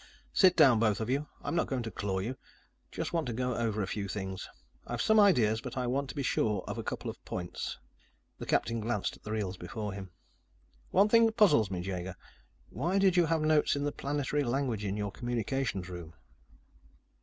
"Sit down, both of you. I'm not going to claw you. Just want to go over a few things. I've some ideas, but I want to be sure of a couple of points." The captain glanced at the reels before him. "One thing puzzles me, Jaeger. Why did you have notes in the planetary language in your communications room?"